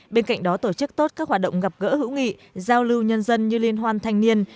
bên cạnh đó tổ chức tốt các hoạt động gặp gỡ hữu nghị giao lưu nhân dân như liên hoan thanh niên